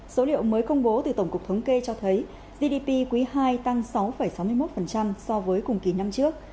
số liệu mới công bố từ tổng cục thống kê cho thấy gdp quý ii tăng sáu sáu mươi một so với cùng kỳ năm trước